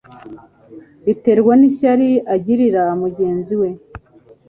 biterwa n'ishyari agirira mugenzi we